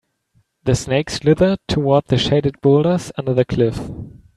The snake slithered toward the shaded boulders under the cliff.